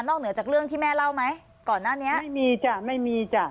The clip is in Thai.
เหนือจากเรื่องที่แม่เล่าไหมก่อนหน้านี้ไม่มีจ้ะไม่มีจ้ะ